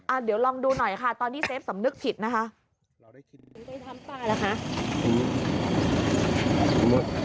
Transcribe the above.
เดี๋ยวลองดูหน่อยค่ะตอนที่เซฟสำนึกผิดนะคะ